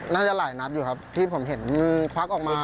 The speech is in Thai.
น่าจะหลายนัดอยู่ครับที่ผมเห็นควักออกมา